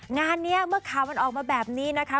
งานนี้เมื่อข่าวมันออกมาแบบนี้นะคะ